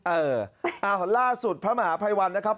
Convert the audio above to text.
เออเอาล่าสุดพระมหาภัยวันนะครับ